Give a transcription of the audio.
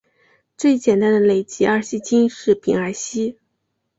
最简单的累积二烯烃是丙二烯。